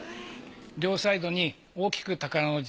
両サイドに大きく宝の字。